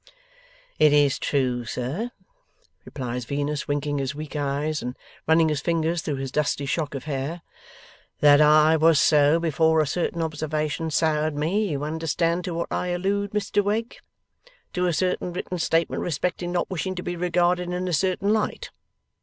'It is true, sir,' replies Venus, winking his weak eyes, and running his fingers through his dusty shock of hair, 'that I was so, before a certain observation soured me. You understand to what I allude, Mr Wegg? To a certain written statement respecting not wishing to be regarded in a certain light.